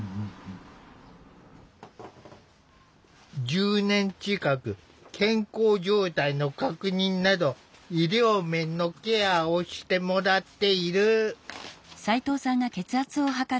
１０年近く健康状態の確認など医療面のケアをしてもらっている。